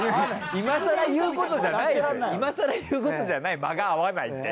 今更言うことじゃない間が合わないって。